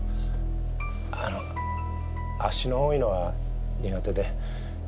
あの足の多いのは苦手で。